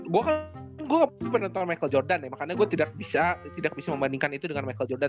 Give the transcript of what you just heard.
gue kan gue penonton michael jordan ya makanya gue tidak bisa membandingkan itu dengan michael jordan